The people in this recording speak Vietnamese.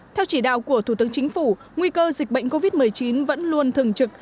theo chỉ đạo của thủ tướng chính phủ nguy cơ dịch bệnh covid một mươi chín vẫn luôn thường trực